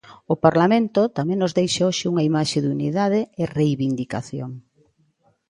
O Parlamento tamén nos deixa hoxe unha imaxe de unidade e reivindicación.